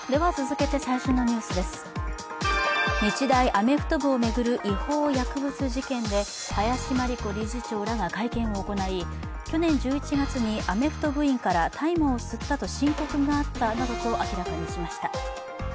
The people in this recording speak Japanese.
日大アメフト部を巡る違法薬物事件で、林真理子理事長らが会見を行い、去年１１月にアメフト部員から大麻を吸ったと申告があったなどと明らかにしました。